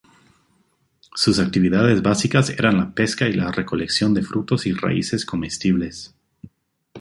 Sus actividades básicas eran la pesca y la recolección de frutos y raíces comestibles.